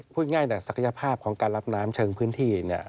พูดง่ายนะศักยภาพของการรับน้ำเชิงพื้นที่เนี่ย